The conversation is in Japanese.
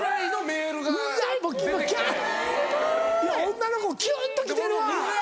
女の子キュンと来てるわ。